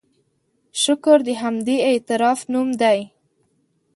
شکر د همدې اعتراف نوم دی.